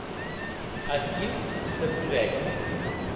Aquiu se posèc.